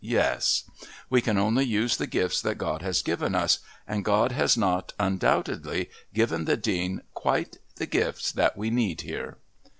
yes. We can only use the gifts that God has given us, and God has not, undoubtedly, given the Dean quite the gifts that we need here."